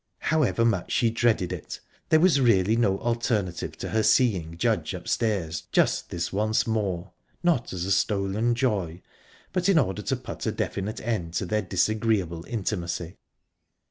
However much she dreaded it, there was really no alternative to her seeing Judge upstairs just this once more...not as stolen joy, but in order to put a definite end to their disagreeable intimacy.